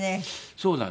そうなんです。